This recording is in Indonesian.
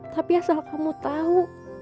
tapi asal kamu tahu